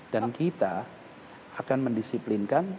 dan kita akan mendisiplinkan